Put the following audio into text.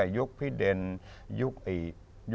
เล่นหนังที่นี่เป็นพ่อเอกด้วย